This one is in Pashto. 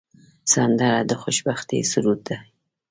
سندره د خوشبختۍ سرود دی